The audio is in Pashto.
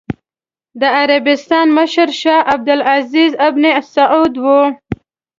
د عربستان مشر شاه عبد العزېز ابن سعود و.